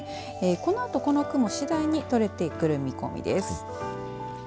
このあとこの雲次第に取れてくる見込みです。